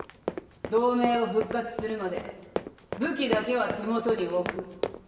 同盟を復活するまで武器だけは手元に置く。